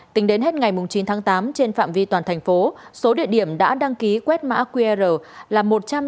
tính đến hết ngày chín tháng tám trên phạm vi toàn thành phố số địa điểm đã đăng ký quét mã qr là một trăm chín mươi một tám trăm bảy mươi hai